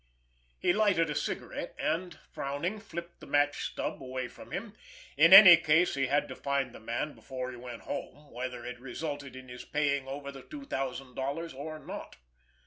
He lighted a cigarette, and, frowning, flipped the match stub away from him. In any case, he had to find the man before he went home, whether it resulted in his paying over the two thousand dollars or not.